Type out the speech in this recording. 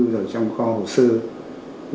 rồi trong kho hồ sơ